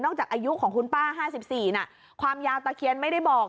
จากอายุของคุณป้า๕๔น่ะความยาวตะเคียนไม่ได้บอก